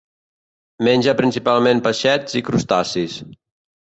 Menja principalment peixets i crustacis.